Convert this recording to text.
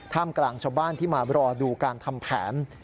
กลางชาวบ้านที่มารอดูการทำแผน